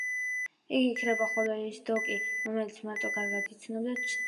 იგი ქრება, ხოლო ის დოკი, რომელსაც მარტი კარგად იცნობდა, ჩნდება.